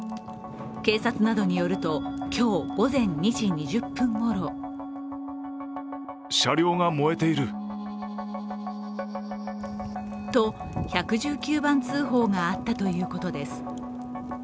警察などによると、今日午前２時２０分ごろと１１９番通報があったということです。